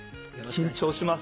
緊張します。